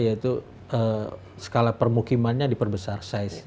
yaitu skala permukimannya diperbesar